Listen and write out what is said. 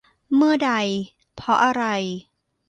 เมื่อใด เพราะอะไร ?